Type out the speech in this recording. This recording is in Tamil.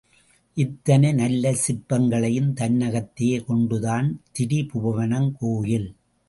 இத்தனை நல்ல சிற்பங்களையும் தன்னகத்தே கொண்டதுதான் திரிபுவனம் கோயில்.